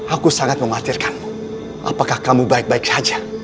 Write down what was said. aku sangat mengkhawatirkanmu apakah kamu baik baik saja